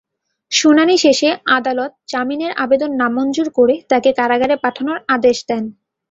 শুনানি শেষে আদালত জামিনের আবেদন নামঞ্জুর করে তাঁকে কারাগারে পাঠানোর আদেশ দেন।